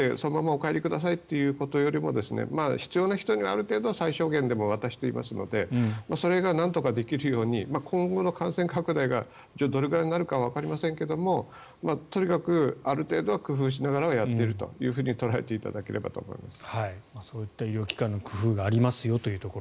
あなた、全然薬なくてそのままお帰りくださいということよりも必要な人に、ある程度最小限でも渡していますのでそれがなんとかできるように今後の感染拡大がどれくらいになるかわかりませんがとにかくある程度は工夫しながら流行っていると捉えていただければと思います。